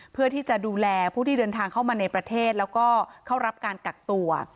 เพื่อที่จะดูแลผู้ที่เดินทางเข้ามาในประเทศแล้วก็เข้ารับการกักตัว